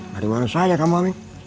dari mana saja kamu aming